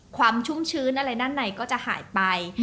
ชุ่มชื้นอะไรด้านในก็จะหายไป